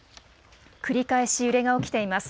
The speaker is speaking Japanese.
繰り返し揺れが起きています。